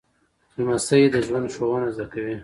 لمسی د ژوند ښوونه زده کوي.